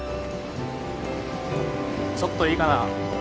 ちょっといいかな？